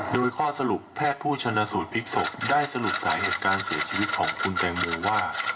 โดยข้อสรุปแพทย์ผู้ชนะสูตรพลิกศพได้สรุปสาเหตุการเสียชีวิตของคุณแตงโมว่า